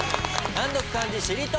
難読漢字しりとリレー！